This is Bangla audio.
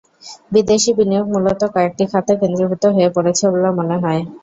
বিদেশি বিনিয়োগ মূলত কয়েকটি খাতে কেন্দ্রীভূত হয়ে পড়েছে বলে মনে হয়।